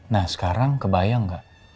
nah sekarang kebayang gak